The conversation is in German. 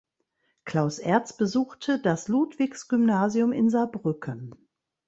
Klaus Ertz besuchte das Ludwigsgymnasium in Saarbrücken.